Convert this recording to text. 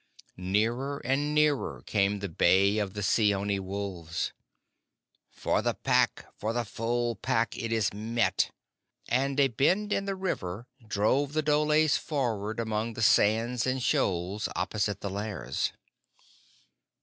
Nearer and nearer came the bay of the Seeonee wolves. "For the Pack, for the Full Pack it is met!" and a bend in the river drove the dholes forward among the sands and shoals opposite the Lairs.